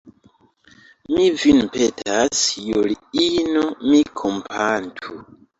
Mi vin petas, Juliino, min kompatu.